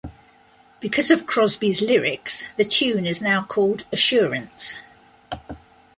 Because of Crosby's lyrics, the tune is now called Assurance.